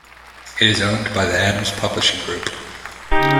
It is owned by the Adams Publishing Group.